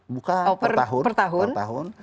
bukan per tahun